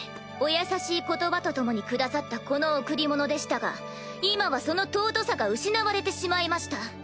お優しい言葉と共に下さったこの贈り物でしたが今はその尊さが失われてしまいました。